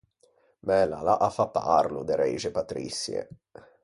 Mæ lalla a fa parlo de reixe patriçie.